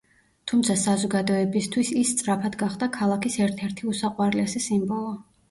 თუმცა საზოგადოებისთვის ის სწრაფად გახდა ქალაქის ერთ-ერთი უსაყვარლესი სიმბოლო.